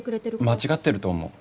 間違ってると思う。